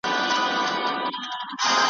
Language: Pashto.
چی ملایې تقصیرونه په اجل ږدي.